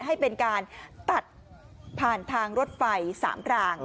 ให้เป็นการตัดผ่านทางรถไฟ๓ราง